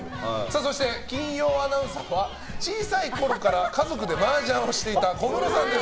そして、金曜アナウンサーは小さいころから家族でマージャンをしていた小室さんです。